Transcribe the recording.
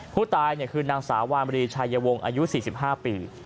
ผู้ตายคือนางสาววามรีชายวงอายุ๔๕ปี